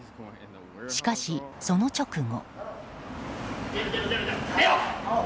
しかし、その直後。